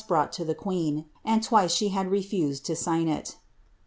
183 brought to the queen, and twice she had refused to siga it.